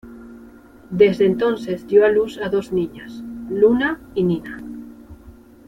Desde entonces dio a luz dos niñas, Luna y Nina.